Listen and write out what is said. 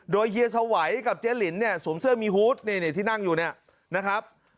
โดยเฮียสวัยกับเจ๊ลินเนี่ยสวมเสื้อมีฮูตที่นั่งอยู่เนี่ยนะครับ